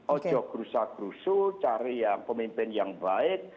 ojo krusa krusu cari pemimpin yang baik